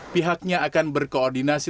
pihaknya akan berkoordinasi